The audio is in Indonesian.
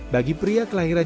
bagi pria kelainan